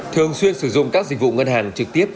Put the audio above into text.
thường xuyên sử dụng các dịch vụ ngân hàng trực tiếp